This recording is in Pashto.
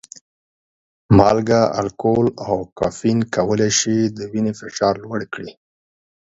مالګه، الکول او کافین کولی شي د وینې فشار لوړ کړي.